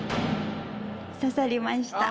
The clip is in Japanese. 刺さりました。